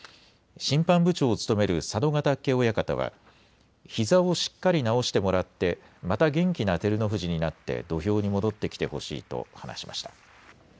審判部長を務める佐渡ヶ嶽親方はひざをしっかり治してもらってまた元気な照ノ富士になって土俵に戻ってきてほしいと話しました。